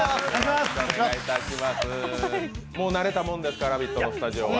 もう慣れたもんですか、「ラヴィット！」のスタジオは？